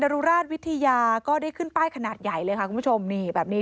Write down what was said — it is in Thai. รุราชวิทยาก็ได้ขึ้นป้ายขนาดใหญ่เลยค่ะคุณผู้ชมนี่แบบนี้